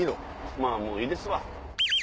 まぁもういいですわ。